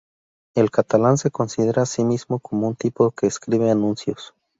El catalán se considera a sí mismo como un tipo que escribe anuncios.